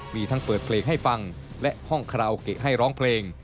มีทั้งเปิดเพลงให้ฟังและห้องคาราโอเกะให้ร้องเพลง